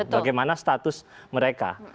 bagaimana status mereka